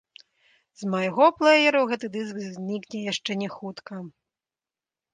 З майго плэеру гэты дыск знікне яшчэ не хутка.